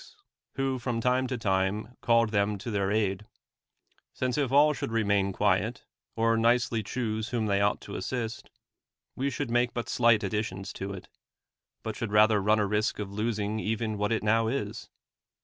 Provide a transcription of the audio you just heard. s who from time to time called them to liiMir aid; since if all should remain quiet, or nicely choose whom they ought to assist; we should make but slight additions to it. but should i ather run a risk of losing even what it now is.